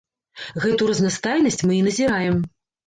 Гэту разнастайнасць мы і назіраем.